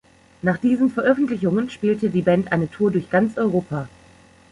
Nach diesen Veröffentlichungen spielte die Band eine Tour durch ganz Europa.